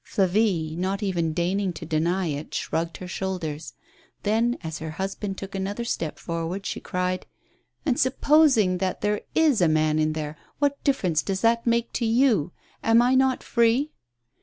Flavie, not even deigning to deny it, shrugged her shoulders. Then, as her husband took another step for ward, she cried: "And supposing that there is a man there, what dif ference does that make to you? Am I not free?"